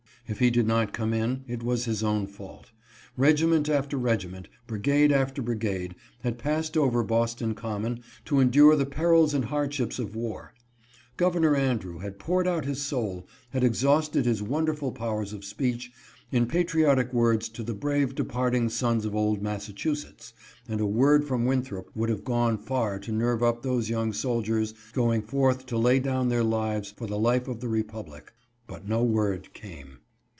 If he did not come in, it was his own fault. Regiment after regi ment, brigade after brigade, had passed over Boston Com mon to endure the perils and hardships of war ; Governor Andrew had poured out his soul, had exhausted his won derful powers of speech in patriotic words to the brave departing sons of old Massachusetts, and a word from Winthrop would have gone far to nerve up those young soldiers going forth to lay down their lives for the life of the republic ; but no word came.